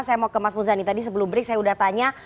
saya mau ke mas muzani tadi sebelum break saya sudah tanya